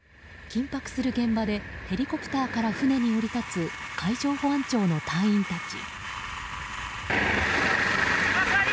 緊迫する現場でヘリコプターから船に降り立つ海上保安庁の隊員たち。